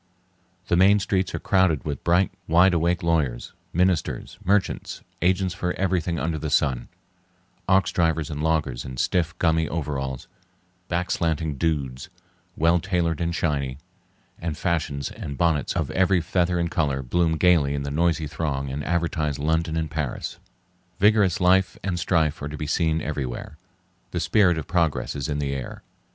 The main streets are crowded with bright, wide awake lawyers, ministers, merchants, agents for everything under the sun; ox drivers and loggers in stiff, gummy overalls; back slanting dudes, well tailored and shiny; and fashions and bonnets of every feather and color bloom gayly in the noisy throng and advertise London and Paris. Vigorous life and strife are to be seen everywhere. The spirit of progress is in the air.